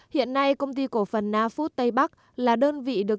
hiện nay công ty cổ phần nafut tây bắc là đơn vị được